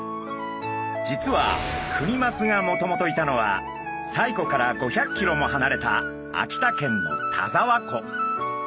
実はクニマスがもともといたのは西湖から５００キロもはなれた秋田県の田沢湖。